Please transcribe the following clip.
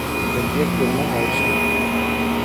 Elle vit actuellement à Oslo.